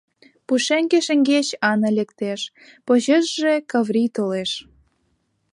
Пушеҥге шеҥгеч Ана лектеш, почешыже Каврий толеш.